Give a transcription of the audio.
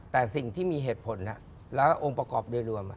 แต่สิ่งที่มีเหตุผลแล้วองค์ประกอบโดยรวม